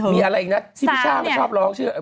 มีอะไรอีกเนี่ย